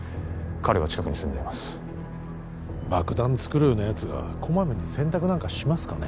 彼は近くに住んでます爆弾作るようなやつがこまめに洗濯なんかしますかね